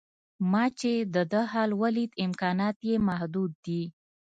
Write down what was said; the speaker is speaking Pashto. ما چې د ده حال ولید امکانات یې محدود دي.